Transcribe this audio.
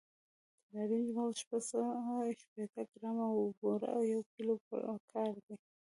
د نارنجو مغز شپږ سوه شپېته ګرامه او بوره یو کیلو پکار دي.